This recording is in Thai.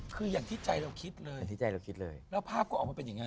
คืออย่างที่ใจเราคิดเลยแล้วภาพก็ออกมาเป็นอย่างนั้น